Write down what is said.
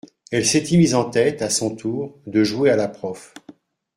Elle s’était mise en tête, à son tour, de jouer à la prof.